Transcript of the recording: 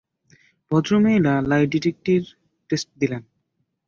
ভদ্রমহিলা lie detector test দিলেন।